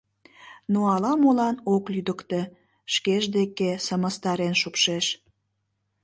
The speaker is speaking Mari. Но ала-молан ок лӱдыктӧ, шкеж деке сымыстарен шупшеш.